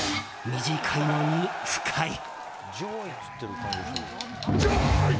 短いのに深い。